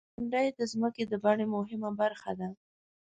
• غونډۍ د ځمکې د بڼې مهمه برخه ده.